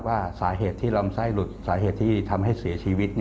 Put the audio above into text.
ว่าสาเหตุที่ลำไส้หลุดสาเหตุที่ทำให้เสียชีวิต